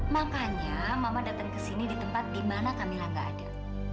makanya mama datang ke sini di tempat di mana kamilah nggak ada